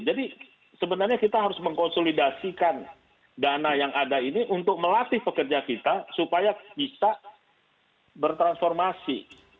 jadi sebenarnya kita harus mengkonsolidasikan dana yang ada ini untuk melatih pekerja kita supaya bisa bertransformasi